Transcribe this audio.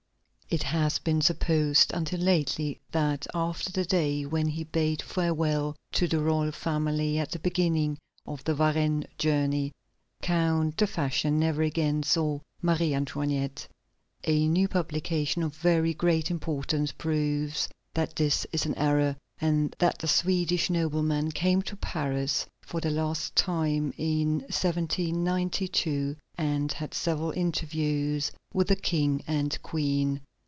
It has been supposed until lately that after the day when he bade farewell to the royal family at the beginning of the Varennes journey, Count de Fersen never again saw Marie Antoinette. A new publication of very great importance proves that this is an error, and that the Swedish nobleman came to Paris for the last time in 1792, and had several interviews with the King and Queen.